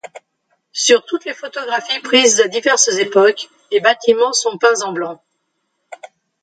Sur toutes les photographies prises à diverses époques, les bâtiments sont peints en blanc.